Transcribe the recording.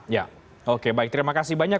ya oke baik terima kasih banyak